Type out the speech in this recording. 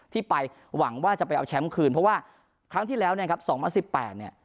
ที่ไปหวังว่าจะไปเอาแชมป์คืนเพราะว่าครั้งที่แล้วเนี่ยครับ๒๐๑๘เนี่ย